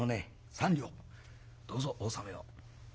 ３両どうぞお納めを。